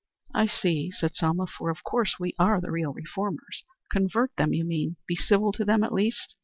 "I see," said Selma. "For, of course, we are the real reformers. Convert them you mean? Be civil to them at least?